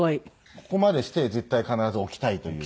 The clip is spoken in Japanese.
ここまでして絶対必ず置きたいという。